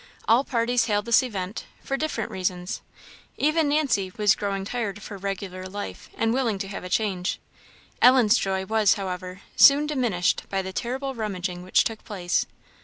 All parties hailed this event, for different reasons; even Nancy was growing tired of her regular life, and willing to have a change. Ellen's joy was, however, soon diminished by the terrible rummaging which took place.